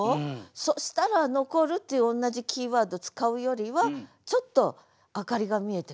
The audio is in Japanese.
そしたら「残る」っていう同じキーワード使うよりはちょっと明かりが見えてくる。